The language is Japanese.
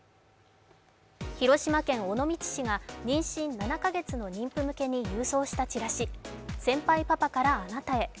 広島県尾道市が妊娠７か月の妊婦向けに郵送したチラシ先輩パパからあなたへ。